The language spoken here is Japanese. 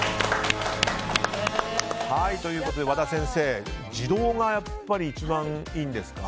和田先生、自動がやっぱり一番いいんですか？